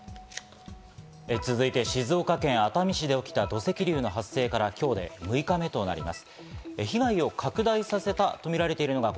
続いて、静岡県熱海市で起きた土石流の発生から今日で６日目となります。